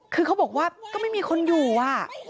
คือเขาบอกว่าก็ไม่มีคนอยู่อ่ะ